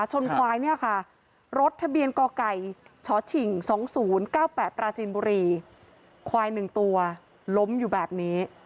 ชนควายเนี่ยค่ะรถทะเบียนกอก่ายหนึ่งตัวล้มอยู่แบบนี้